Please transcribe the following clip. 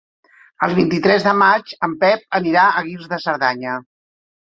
El vint-i-tres de maig en Pep anirà a Guils de Cerdanya.